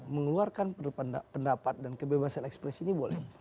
mengeluarkan pendapat dan kebebasan ekspresi ini boleh